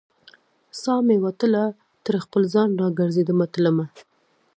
سا مې وتله تر خپل ځان، را ګرزیدمه تلمه